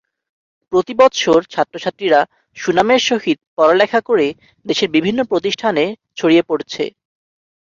প্রতি বৎসর ছাত্র-ছাত্রীরা সুনামের সহিত পড়া লেখা করে দেশের বিভিন্ন প্রতিষ্ঠানের ছড়িয়ে পড়েছে।